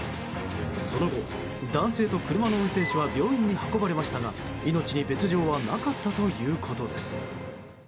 その後、男性と車の運転手は病院に運ばれましたが命に別条はなかったということです。